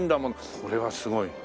これはすごい。